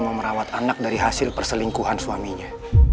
memerawat anak dari hasil perselingkuhan suaminya